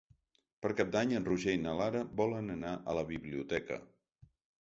Per Cap d'Any en Roger i na Lara volen anar a la biblioteca.